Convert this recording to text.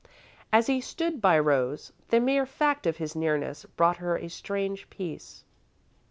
As he stood by Rose, the mere fact of his nearness brought her a strange peace.